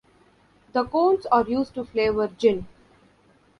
The cones are used to flavor gin.